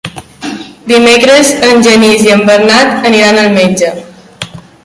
Dimecres en Genís i en Bernat aniran al metge.